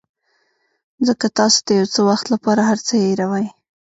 ځکه تاسو د یو څه وخت لپاره هر څه هیروئ.